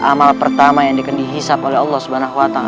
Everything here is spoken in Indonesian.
amal pertama yang dihisap oleh allah swt